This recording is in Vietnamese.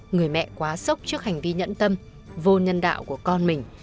người mẹ quá sốc trước hành vi nhẫn tâm vô nhân đạo của con mình